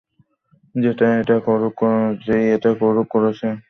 যেই এটা করুক, করেছে নাটকীয়তা আনার জন্য।